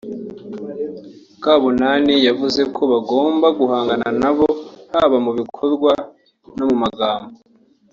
Mukabunani yavuze ko bagomba guhangana nabo haba mu bikorwa no mu magambo